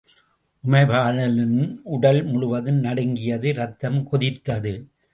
உமைபாலனின் உடல் முழுவதும் நடுங்கியது ரத்தம் கொதித்தது.